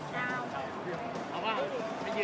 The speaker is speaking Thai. แต่ทางไม่สวย